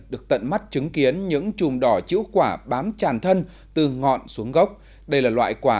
được tận mắt chứng kiến những trùm đỏ chữ quả bám tràn thân từ ngọn xuống gốc đây là loại quả